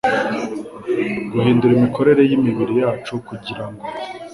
guhindura imikorere y’imibiri yacu, kugira ngo